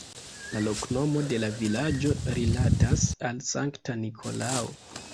La loknomo de la vilaĝo rilatas al sankta Nikolao.